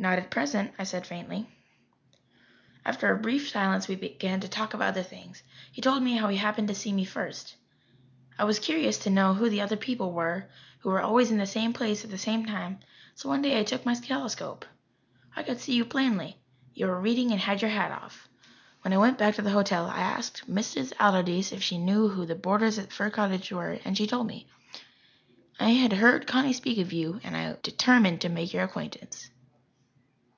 "Not at present," I said faintly. After a brief silence we began to talk of other things. He told me how he happened to see me first. "I was curious to know who the people were who were always in the same place at the same time, so one day I took my telescope. I could see you plainly. You were reading and had your hat off. When I went back to the hotel I asked Mrs. Allardyce if she knew who the boarders at Fir Cottage were and she told me. I had heard Connie speak of you, and I determined to make your acquaintance."